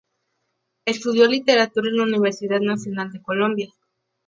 Estudió literatura en la Universidad Nacional de Colombia.